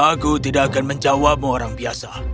aku tidak akan menjawabmu orang biasa